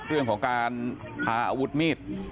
เรื่องของการพาอาวุธมีด